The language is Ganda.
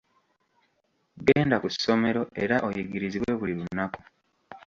Genda ku ssomero era oyigirizibwe buli lunaku.